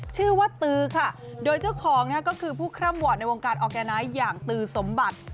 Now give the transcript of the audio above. ชื่อว่าตือค่ะโดยเจ้าของนะฮะก็คือผู้คร่ำวอดในวงการออกแกน้อยอย่างตือสมบัติ